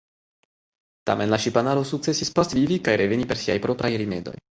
Tamen la ŝipanaro sukcesis postvivi kaj reveni per siaj propraj rimedoj.